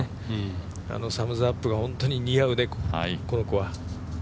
サムズアップが本当に似合うね、この子は。